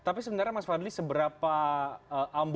tapi sebenarnya mas fadli seberapa amburadul sih sebenarnya